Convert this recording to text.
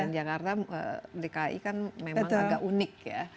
dan jakarta dki kan memang agak unik ya